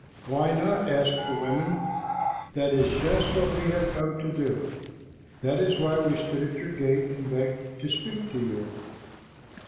"Why not?" asked the women. "That is just what we have come to do. That is why we stood at your gate and begged to speak to you."